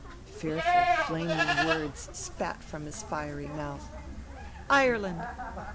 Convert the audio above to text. Fearful, flaming words spat from his fiery mouth. "Ireland.